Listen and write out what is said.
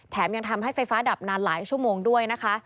ยังทำให้ไฟฟ้าดับนานหลายชั่วโมงด้วยนะคะ